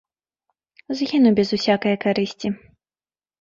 Згіну без усякае карысці.